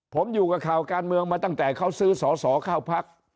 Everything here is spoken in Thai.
ผมอยู่กับข่าวการเมืองมาตั้งแต่เขาซื้อสอสอเข้าพัก